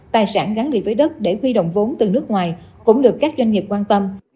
tài sản gắn liền với đất để huy động vốn từ nước ngoài cũng được các doanh nghiệp quan tâm